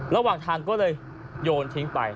ระหว่างทางก็เลยโยนทิ้งไป